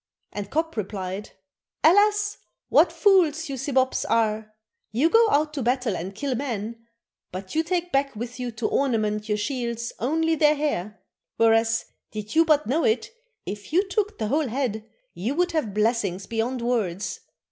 and Kop replied, 'Alas, what fools you Sibops are! You go out to battle and kill men, but you take back with you to ornament your shields only their hair; whereas, did you but know it, if you took the whole head you would have blessings beyond words.